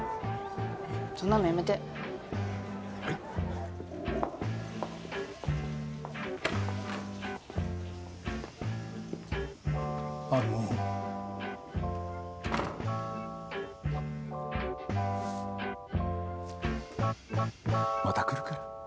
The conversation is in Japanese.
そんなのやめてはいあのまた来るから。